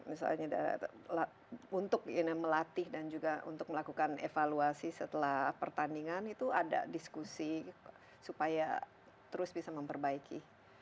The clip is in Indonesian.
misalnya untuk melatih dan juga untuk melakukan evaluasi setelah pertandingan itu ada diskusi supaya terus bisa memperbaiki